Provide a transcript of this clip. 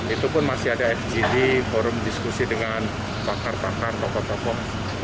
itu pun masih ada fgd forum diskusi dengan pakar pakar tokoh tokoh